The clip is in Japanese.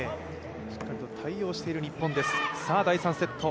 しっかりと対応している日本です、第３セット。